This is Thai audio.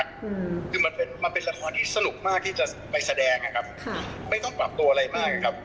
คือมันเป็นมันเป็นละครที่สนุกมากที่จะไปแสดงนะครับค่ะไม่ต้องปรับตัวอะไรมากนะครับ